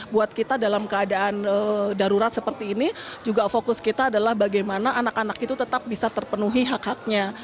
buat kita dalam keadaan darurat seperti ini juga fokus kita adalah bagaimana anak anak itu tetap bisa terpenuhi hak haknya